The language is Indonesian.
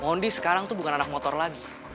mondi sekarang tuh bukan anak motor lagi